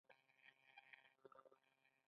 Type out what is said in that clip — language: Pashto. ایا له والدینو سره وینئ؟